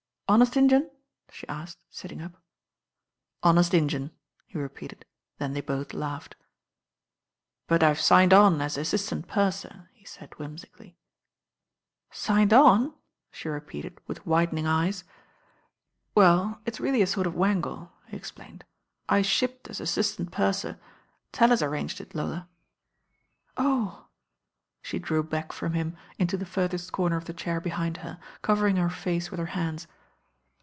"Honest Injun?" she asked, sitting up. "Honest Injun," he repeated, then they both laughed. "But I've signcd on as assistant purser," he said whimsically. "Signcd on I" she repeated with widening eyes. ^^ "Well, it's really a sort of wangle," he explained. "I shipped as assistant purser. Tallis arranged it, Lola 1" "Oh I" She drew back from him into the furthest comer of the chair behind her, covering her face with her hands.